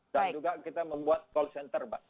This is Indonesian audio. dan juga kita membuat call center pak